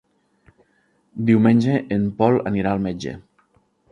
Diumenge en Pol anirà al metge.